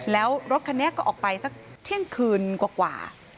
แล้วรถคันนี้ก็ออกไปสักเที่ยงคืนกว่า